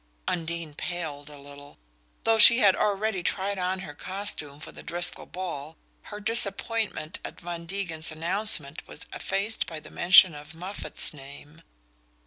Undine paled a little. Though she had already tried on her costume for the Driscoll ball her disappointment at Van Degen's announcement was effaced by the mention of Moffatt's name.